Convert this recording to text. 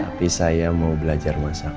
tapi saya mau belajar masak